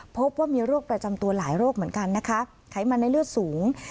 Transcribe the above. พบว่ามีโรคประจำตัวหลายโรคเหมือนกันนะคะไขมันในเลือดสูง